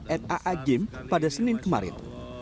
at a'agim pada senin kemarin